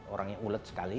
orangnya ulet sekali